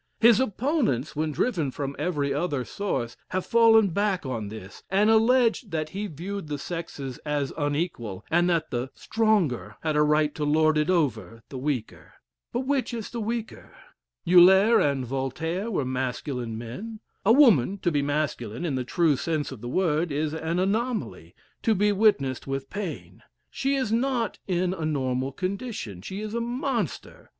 His opponents, when driven from every other source, have fallen back on this, and alleged that he viewed the sexes as unequal, and that the stronger had a right to lord it over the weaker. But which is the weaker? Euler and Voltaire were masculine men. A woman to be masculine, in the true sense of the word, is an anomaly, to be witnessed with pain. She is not in a normal condition. She is a monster.